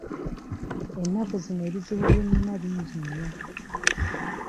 Ennaku zino ebizibu bye nnina bingi nnyo.